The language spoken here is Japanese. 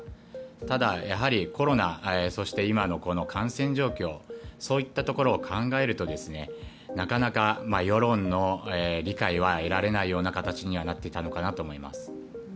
ただ、コロナそして、今の感染状況そういったところを考えるとなかなか、世論の理解は得られないような形にはなっていたのかなと思います。